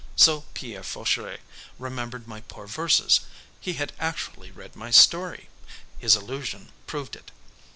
So Pierre Fauchery remembered my poor verses! He had actually read my story! His allusion proved it.